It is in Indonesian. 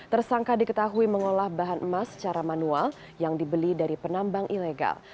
tersangka diketahui mengolah bahan emas secara manual yang dibeli dari penambang ilegal